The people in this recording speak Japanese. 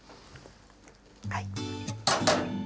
はい。